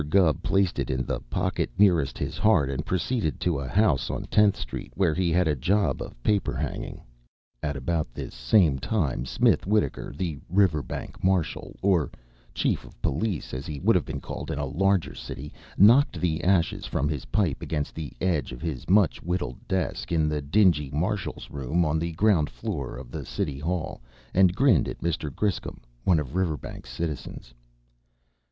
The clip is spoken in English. Gubb placed it in the pocket nearest his heart and proceeded to a house on Tenth Street where he had a job of paper hanging. At about this same time Smith Wittaker, the Riverbank Marshal or Chief of Police, as he would have been called in a larger city knocked the ashes from his pipe against the edge of his much whittled desk in the dingy Marshal's room on the ground floor of the City Hall, and grinned at Mr. Griscom, one of Riverbank's citizens.